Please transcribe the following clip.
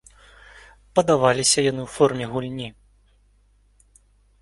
Падаваліся яны ў форме гульні.